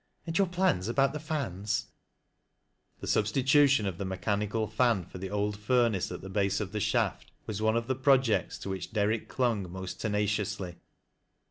" And your plans about the fans ?" The substitution of the mechanical fan for the oH fitrnace at the base cf the shaft, was one of the projects to which Derrick clung most tenaciously.